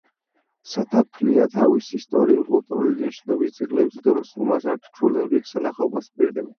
სათაფლია თავისი ისტორიულ-კულტურული მნიშვნელობის ძეგლებით, თითოეულ სტუმარს, არაჩვეულებრივ სანახაობას ჰპირდება.